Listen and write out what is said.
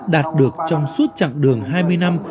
đạt được trong suốt chặng đường hai mươi năm